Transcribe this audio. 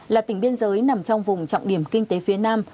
là tỉnh biên giới nằm trong vùng trọng điểm kinh tế phía nam